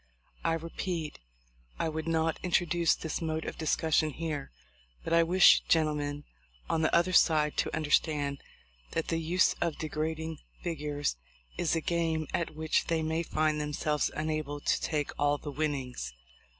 I repeat, I would not introduce this mode of discus sion here; but I wish gentlemen on the other side to understand that the use of degrading figures is a game at which they may find themselves unable to take all the winnings.